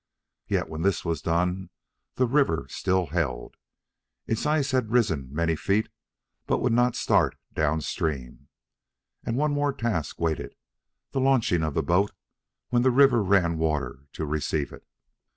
Yet, when this was done, the river still held. Its ice had risen many feet, but would not start down stream. And one more task waited, the launching of the boat when the river ran water to receive it.